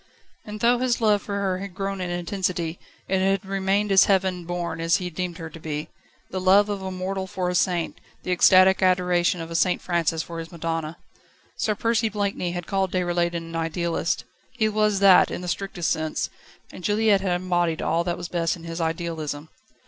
And though his love for her had grown in intensity, it had remained as heaven born as he deemed her to be the love of a mortal for a saint, the ecstatic adoration of a St Francis for his Madonna. Sir Percy Blakeney had called Déroulède an idealist. He was that, in the strictest sense, and Juliette had embodied all that was best in his idealism.